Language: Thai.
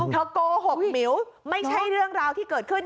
โกหกหมิวไม่ใช่เรื่องราวที่เกิดขึ้น